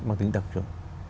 mang tính đặc trưng